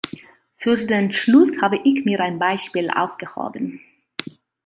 Für den Schluss habe ich mir ein Beispiel aufgehoben.